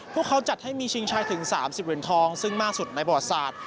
พวกเขาจัดให้มีชิงชายถึง๓๐เหรียญทองซึ่งมากสุดในประวัติศาสตร์